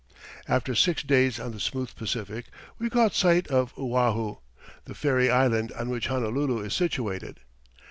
After six days on the smooth Pacific, we caught sight of Oahu, the fairy island on which Honolulu is situated.